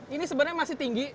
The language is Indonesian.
ini sebenarnya masih tinggi